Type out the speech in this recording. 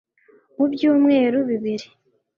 mu byumweru bibiri